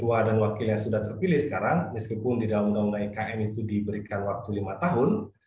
ketua dan wakil yang sudah terpilih sekarang meskipun di dalam undang undang ikn itu diberikan waktu lima tahun